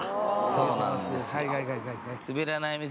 そうなんですよ